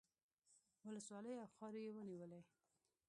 ولسوالۍ او خاورې یې ونیولې.